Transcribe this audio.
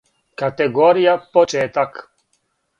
Категорија:Почетак